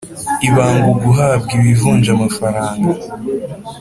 Ibanga uguhabwa ibivunja amafaranga